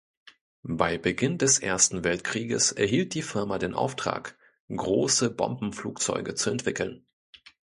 Bei Beginn des Ersten Weltkrieges erhielt die Firma den Auftrag, große Bombenflugzeuge zu entwickeln.